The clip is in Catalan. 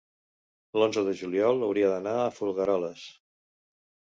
l'onze de juliol hauria d'anar a Folgueroles.